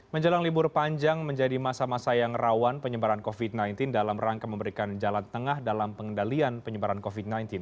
menjelang libur panjang menjadi masa masa yang rawan penyebaran covid sembilan belas dalam rangka memberikan jalan tengah dalam pengendalian penyebaran covid sembilan belas